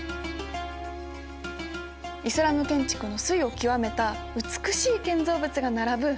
イスラム建築の粋を極めた美しい建造物が並ぶ古都です。